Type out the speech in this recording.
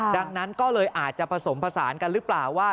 ดังนั้นก็เลยอาจจะผสมผสานกันหรือเปล่าว่า